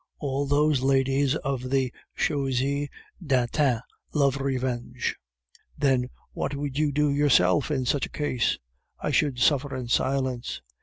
All those ladies of the Chaussee d'Antin love revenge." "Then, what would you do yourself in such a case?" "I should suffer in silence."